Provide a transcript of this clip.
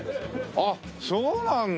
あっそうなんだ。